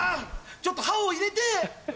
ちょっと歯を入れて！